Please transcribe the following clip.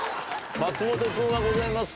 松本君はございますか？